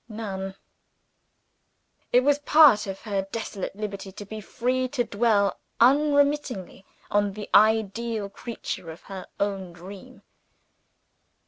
None! It was part of her desolate liberty to be free to dwell unremittingly on the ideal creature of her own dream.